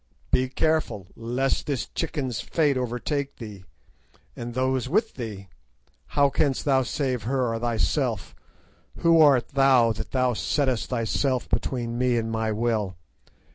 Be careful, lest this chicken's fate overtake thee, and those with thee. How canst thou save her or thyself? Who art thou that thou settest thyself between me and my will?